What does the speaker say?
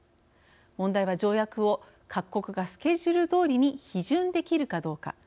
問題は条約を各国がスケジュールどおりに批准できるかどうか。